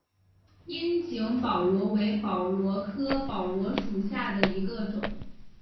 樱井宝螺为宝螺科宝螺属下的一个种。